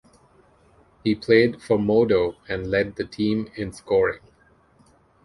He played for Modo and led the team in scoring.